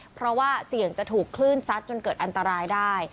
เพราะว่าเสี่ยงจะถูกคลื่นซัดจนเกิดอันตรายได้